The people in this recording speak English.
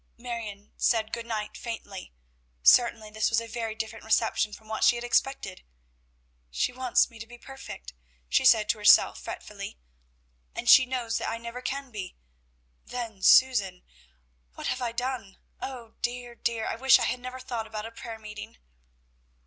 Marion said "Good night" faintly; certainly this was a very different reception from what she had expected. "She wants me to be perfect," she said to herself fretfully, "and she knows that I never can be; then Susan! What have I done? Oh, dear! dear! I wish I had never thought about a prayer meeting."